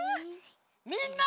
・みんな！